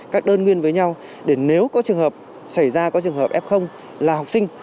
các đơn nguyên với nhau để nếu có trường hợp xảy ra có trường hợp f là học sinh